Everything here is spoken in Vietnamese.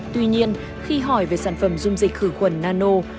tuy nhiên khi hỏi về sản phẩm dung dịch khử khuẩn nano